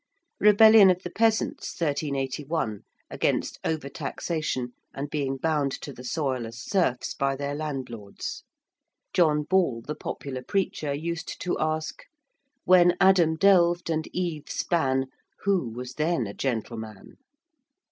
~rebellion of the peasants, 1381~, against over taxation and being bound to the soil as serfs by their landlords. ~John Ball~, the popular preacher, used to ask: 'When Adam delved and Eve span, Who was then a gentleman?'